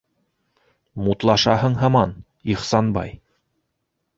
Мутлашаһың һаман, Ихсанбай...